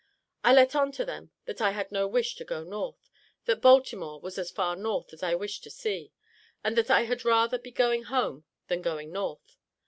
I let on to them that I had no wish to go North; that Baltimore was as far North as I wished to see, and that I had rather be going home than going North.